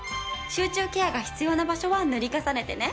集中ケアが必要な場所は塗り重ねてね。